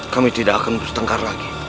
kami tidak akan bertengkar lagi